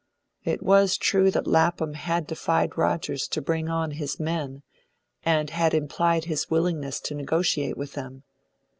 It was true that Lapham had defied Rogers to bring on his men, and had implied his willingness to negotiate with them.